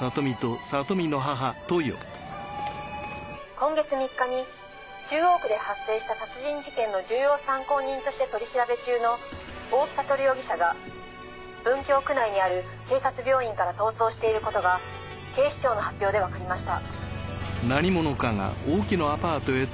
今月３日に中央区で発生した殺人事件の重要参考人として取り調べ中の大木悟容疑者が文京区内にある警察病院から逃走していることが警視庁の発表でわかりました。